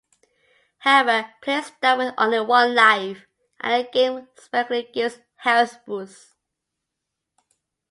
However, players start with only one life, and the game sparingly gives health boosts.